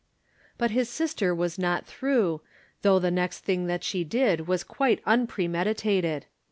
But his sister was not yet through, though the next thing she did was quite unpremeditated.